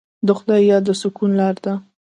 د خدای یاد د سکون لاره ده.